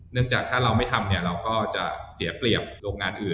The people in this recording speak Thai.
จากถ้าเราไม่ทำเราก็จะเสียเปรียบโรงงานอื่น